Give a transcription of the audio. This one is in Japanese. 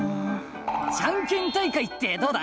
ジャンケン大会ってどうだ？